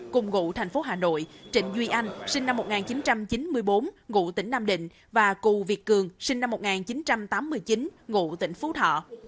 cùng ngụ thành phố hà nội trịnh duy anh sinh năm một nghìn chín trăm chín mươi bốn ngụ tỉnh nam định và cù việt cường sinh năm một nghìn chín trăm tám mươi chín ngụ tỉnh phú thọ